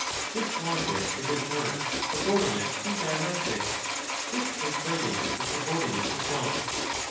This logic is an art subordinate to dialectics just as writing is subordinate to thought.